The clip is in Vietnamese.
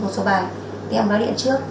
một số bài thì em đã điện trước